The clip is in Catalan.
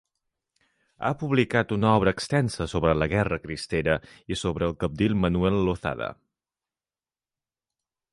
Ha publicat una obra extensa sobre la Guerra Cristera i sobre el cabdill Manuel Lozada.